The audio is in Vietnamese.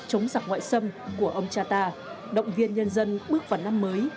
chống giặc ngoại xâm của ông cha ta động viên nhân dân bước vào năm mới